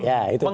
ya itu penting